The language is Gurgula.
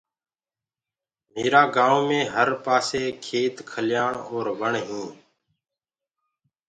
ميرآ گائونٚ مي هر پآسي کيت کليآن اور وڻڪآر هي۔